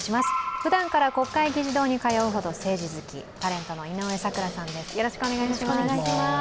ふだんから国会議事堂に通うほど政治好きタレントの井上咲楽さんです。